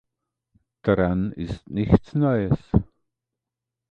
Daran ist nichts Neues.